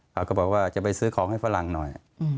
เขาก็บอกว่าจะไปซื้อของให้ฝรั่งหน่อย